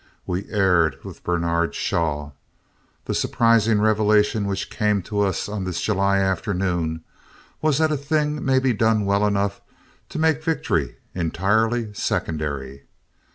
We erred with Bernard Shaw. The surprising revelation which came to us on this July afternoon was that a thing may be done well enough to make victory entirely secondary.